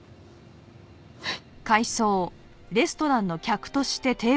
はい。